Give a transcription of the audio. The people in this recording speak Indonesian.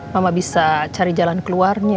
mama bisa cari jalan keluarnya